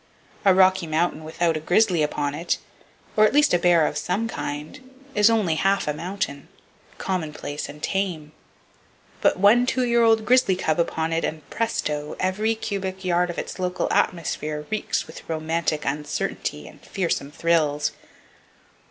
A Rocky Mountain without a grizzly upon it, or [Page 178] at least a bear of some kind, is only half a mountain,—commonplace and tame. Put one two year old grizzly cub upon it, and presto! every cubic yard of its local atmosphere reeks with romantic uncertainty and fearsome thrills.